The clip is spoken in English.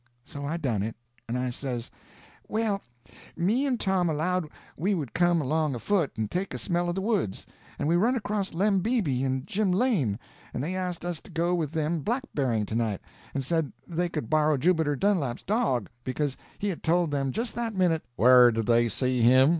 So I done it. And I says: "Well, me and Tom allowed we would come along afoot and take a smell of the woods, and we run across Lem Beebe and Jim Lane, and they asked us to go with them blackberrying to night, and said they could borrow Jubiter Dunlap's dog, because he had told them just that minute—" "Where did they see him?"